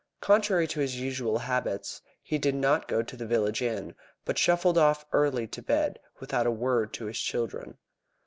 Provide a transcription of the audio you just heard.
Contrary to his usual habits, he did not go to the village inn, but shuffled off early to bed without a word to his children.